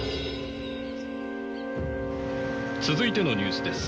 「続いてのニュースです。